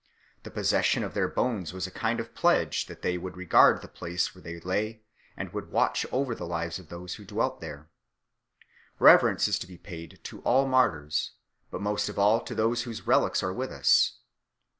The pos session of their bones was a kind of pledge that they would regard the place where they lay and would watch over the lives of those who dwelt there 7 . Reverence is to be paid to all martyrs, but most of all to those whose relics are with us.